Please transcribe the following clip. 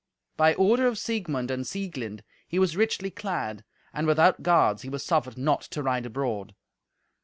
By order of Siegmund and Sieglind he was richly clad, and without guards he was suffered not to ride abroad.